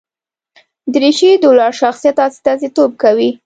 دریشي د لوړ شخصیت استازیتوب کوي.